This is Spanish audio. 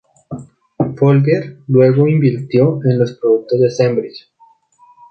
Folger luego invirtió en los productos Sebring.